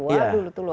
waduh luar biasa